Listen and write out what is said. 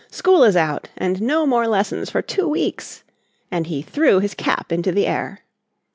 "School is out and no more lessons for two weeks!" and he threw his cap into the air.